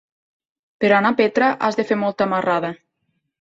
Per anar a Petra has de fer molta marrada.